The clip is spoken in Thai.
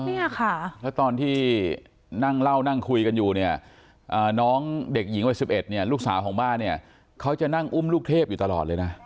เนี่ยค่ะแล้วตอนที่นั่งเล่านั่งคุยกันอยู่เนี่ยน้องเด็กหญิงวัย๑๑เนี่ยลูกสาวของบ้านเนี่ยเขาจะนั่งอุ้มลูกเทพอยู่ตลอดเลยนะ